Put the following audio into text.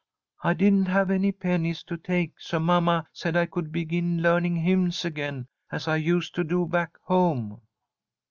I didn't have any pennies to take, so mamma said I could begin learning hymns again, as I used to do back home."